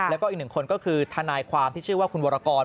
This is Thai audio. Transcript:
แล้วก็อีกหนึ่งคนก็คือทนายความที่ชื่อว่าคุณวรกร